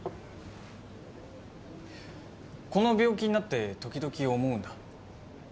この病気になって時々思うんだ。